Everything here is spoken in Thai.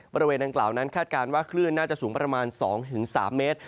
บริเวณดังกล่าวนั้นคาดการณ์ว่าคลื่นน่าจะสูงประมาณ๒๓เมตร